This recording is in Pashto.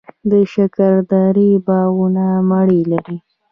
د شکردرې باغونه مڼې لري.